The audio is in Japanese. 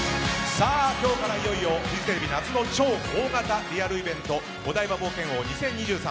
さあ、今日からいよいよフジテレビ夏の超大型リアルイベントお台場冒険王２０２３